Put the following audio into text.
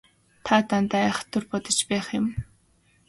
Та дандаа айхавтар бодож байх юм.